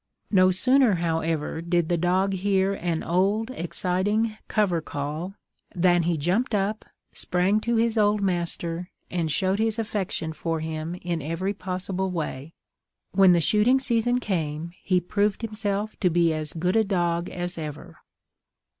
No sooner, however, did the dog hear an old exciting cover call, than he jumped up, sprang to his old master, and showed his affection for him in every possible way. When the shooting season came, he proved himself to be as good a dog as ever.